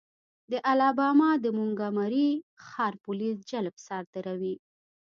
د الاباما د مونګومري ښار پولیس جلب صادروي.